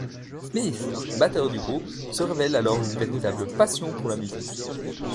Smith, batteur du groupe se révèle alors une véritable passion pour la musique.